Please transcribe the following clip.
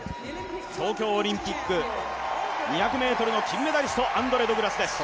東京オリンピック２００ｍの金メダリスト、ド・グラスです。